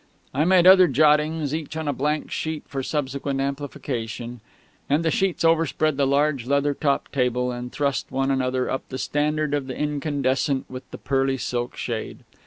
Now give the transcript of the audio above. I made other jottings, each on a blank sheet for subsequent amplification; and the sheets overspread the large leather topped table and thrust one another up the standard of the incandescent with the pearly silk shade.